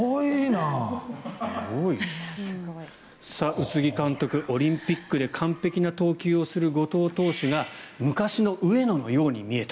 宇津木監督はオリンピックで完璧な投球をする後藤投手が昔の上野のように見えた。